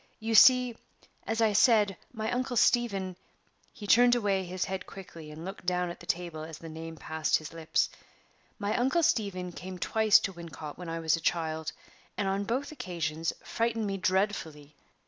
You see, as I said, my Uncle Stephen" he turned away his head quickly, and looked down at the table as the name passed his lips "my Uncle Stephen came twice to Wincot while I was a child, and on both occasions frightened me dreadfully.